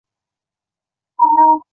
冲绳县恩纳村出身。